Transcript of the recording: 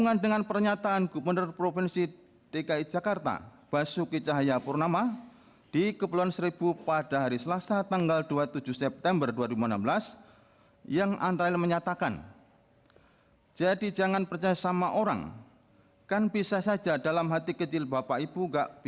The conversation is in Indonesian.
kepulauan seribu kepulauan seribu